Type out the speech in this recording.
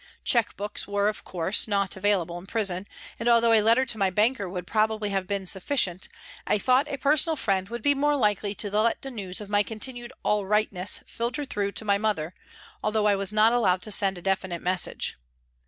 Cheque books were, of course, not available in prison, and although a letter to my banker would probably have been sufficient, I thought a personal friend would be more likely to let the news of my continued "all right " ness filter through to my mother, although I was not allowed to send a definite message.